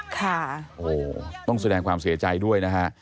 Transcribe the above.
ค่ะโอ้โหต้องแสดงความเสียใจด้วยนะฮะ